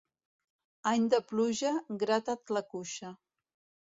Any de pluja, grata't la cuixa.